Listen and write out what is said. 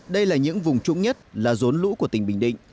đây là những vùng trũng nhất là rốn lũ của tỉnh bình định